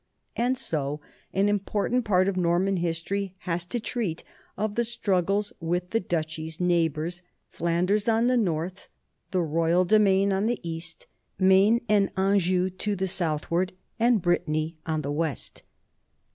And so an important part of Norman history has to treat of the struggles with the duchy's neighbors, Flan ders on the north, the royal domain on the east, Maine and Anjou to the southward, and Brittany on the west.